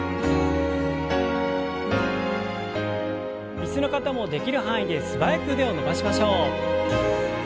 椅子の方もできる範囲で素早く腕を伸ばしましょう。